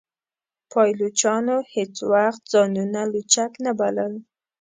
پایلوچانو هیڅ وخت ځانونه لوچک نه بلل.